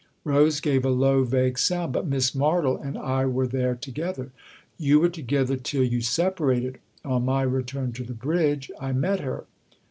Rose gave a low, vague sound. " But Miss Martle and I were there together." "You were together till you separated. On my return to the bridge I met her."